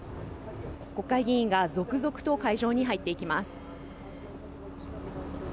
国会議員が続々と会場に入っていきます。